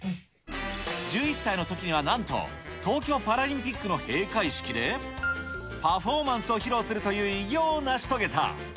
１１歳のときにはなんと、東京パラリンピックの閉会式で、パフォーマンスを披露するという偉業を成し遂げた。